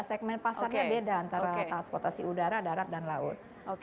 segmen pasarnya beda antara transportasi udara darat dan laut